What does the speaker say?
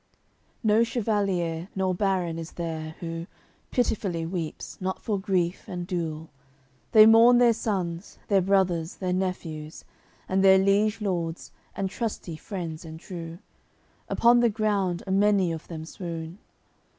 CLXXVIII No chevalier nor baron is there, who Pitifully weeps not for grief and dule; They mourn their sons, their brothers, their nephews, And their liege lords, and trusty friends and true; Upon the ground a many of them swoon.